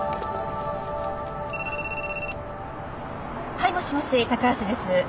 はいもしもし橋です。